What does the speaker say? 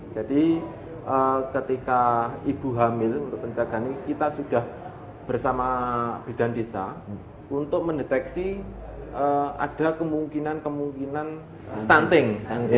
jadi ketika ibu hamil untuk pencegahan ini kita sudah bersama bidan desa untuk mendeteksi ada kemungkinan stunting